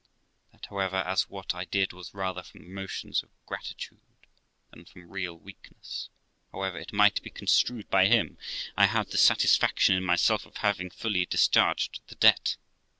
that, however, as what I did was rather from motions of gratitude than from real weakness, however it might be con strued by him, I had the satisfaction in myself of having fully discharged the debt.